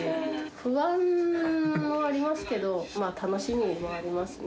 不安もありますけど、楽しみもありますね。